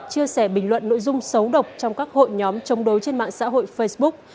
chia sẻ bình luận nội dung xấu độc trong các hội nhóm chống đối trên mạng xã hội facebook